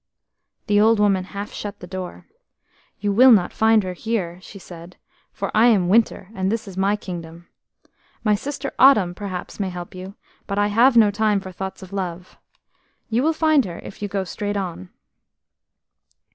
" The old woman half shut the door. "You will not find her here," she said, "for I am Winter, and this is my kingdom. My sister Autumn perhaps may help you, but I have no time for thoughts of love. You will find her if you go straight on."